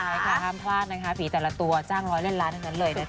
ใช่ค่ะห้ามพลาดนะคะฝีแต่ละตัวจ้างร้อยเล่นล้านทั้งนั้นเลยนะคะ